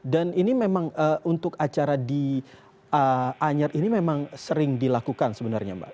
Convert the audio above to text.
dan ini memang untuk acara di anyar ini memang sering dilakukan sebenarnya mbak